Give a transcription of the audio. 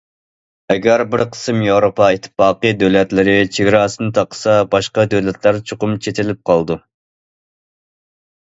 ئەگەر بىر قىسىم ياۋروپا ئىتتىپاقى دۆلەتلىرى چېگراسىنى تاقىسا، باشقا دۆلەتلەر چوقۇم چېتىلىپ قالىدۇ.